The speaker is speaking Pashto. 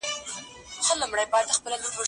قلمان د زده کوونکي له خوا پاک کيږي!؟